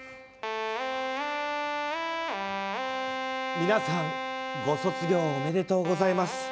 皆さん、ご卒業おめでとうございます。